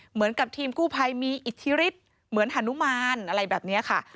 เหมือนกับทีมกู้ภัยมีอิทธิฤทธิ์เหมือนฮานุมานอะไรแบบนี้ค่ะ